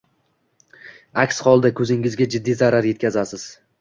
Aks holda koʻzingizga jiddiy zarar yetkazasiz